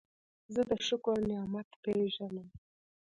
زه د شکر نعمت پېژنم.